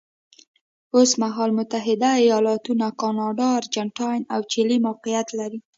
اوس مهال متحده ایالتونه، کاناډا، ارجنټاین او چیلي موقعیت لري.